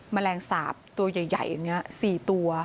แมลงสาปตัวใหญ่อย่างนี้๔ตัว